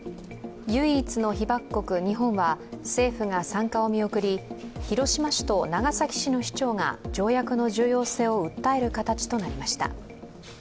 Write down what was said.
唯一の被爆国、日本は政府が参加を見送り広島市と長崎市の市長が条約の重要性を訴える形となりました。